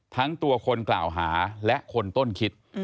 ทั้งตัวคนกล่าวหาและคนต้นคิด